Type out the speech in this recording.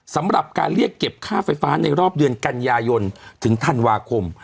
สำหรับการเรียกเก็บค่าไฟฟ้าในรอบเดือนกันยายนถึงธันวาคม